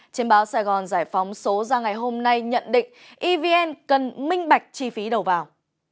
trên báo sài gòn giải phóng số ra ngày hôm nay nhận định evn cần minh bạch chi phí đầu vào